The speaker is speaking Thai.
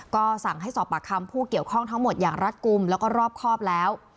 ก็สั่งให้สอบปากคำผู้เกี่ยวข้องทั้งหมดอย่างรัฐกลุ่มแล้วก็รอบครอบแล้ว